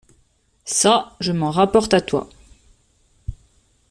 Cà, je m’en rapporte à toi…